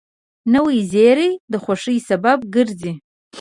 نوې زېری د خوښۍ سبب ګرځي